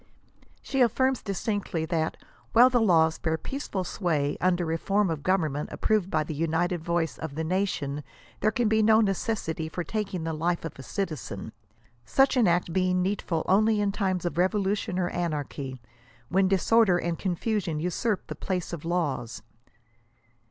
She aflirms distinctly that " while the laws bear peaceful sway, under a form of government approved by the united voice of the nation there can be no necessity for taking the life of a cittzen ;" such an act being needful only in times of revolution or anarchy, when disorder and confusion usurp the place of laws."